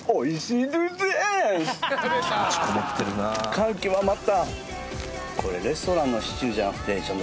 感極まった。